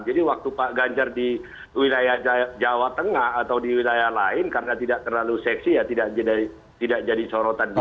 jadi kalau kita bantu pak ganjar di wilayah jawa tengah atau di wilayah lain karena tidak terlalu seksi ya tidak jadi sorotan di media